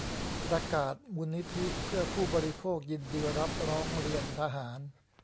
ประกาศ มูลนิธิเพื่อผู้บริโภค ยินดีรับร้องเรียนทหาร